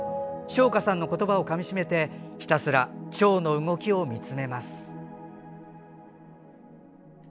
正華さんの言葉をかみ締めてひたすらちょうの動きを見つめます。